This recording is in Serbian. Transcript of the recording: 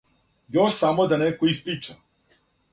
Још само неко да исприча.